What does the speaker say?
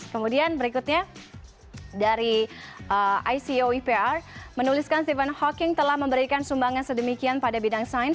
kemudian berikutnya dari ico ipr menuliskan stephen hawking telah memberikan sumbangan sedemikian pada bidang sains